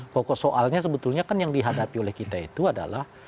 pokok soalnya sebetulnya kan yang dihadapi oleh kita itu adalah